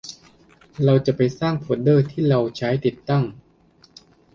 เราจะไปสร้างโฟลเดอร์ที่เราจะใช้ติดตั้ง